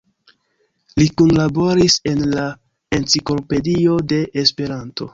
Li kunlaboris en la Enciklopedio de Esperanto.